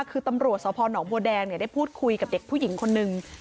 คือตำรวจสพนบัวแดงได้พูดคุยกับเด็กผู้หญิงคนนึง